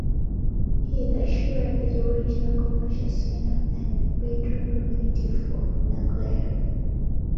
Higashiura is a regional commercial center and a bedroom community for Nagoya.